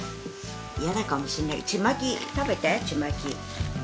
嫌かもしれないけど、ちまき、食べて、ちまき。